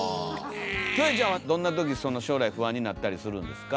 キョエちゃんはどんな時将来不安になったりするんですか？